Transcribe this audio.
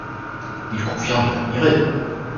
Il convient de l'admirer.